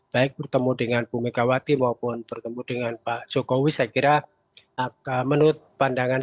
baik bertemu dengan bu megawati maupun bertemu dengan pak jokowi saya kira menurut pandangan